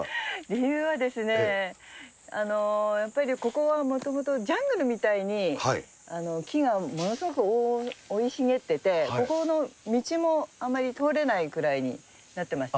理由はですね、やっぱりここはもともとジャングルみたいに木がものすごく生い茂ってて、ここの道もあんまり通れないくらいになってました。